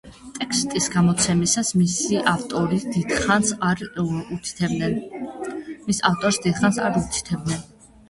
ტექსტის გამოცემისას მისი ავტორს დიდხანს არ უთითებდნენ.